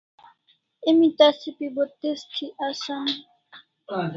Emi tasa pi bo tez thi asan